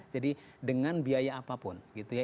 jadi dengan biaya apapun gitu ya